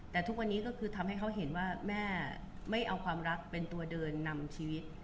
แต่ทุกวันนี้ก็คือทำให้เขาเห็นว่าแม่ไม่เอาความรักเป็นตัวเดินนำชีวิต